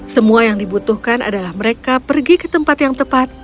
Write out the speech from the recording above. semua yang dibutuhkan adalah mereka pergi ke tempat yang tepat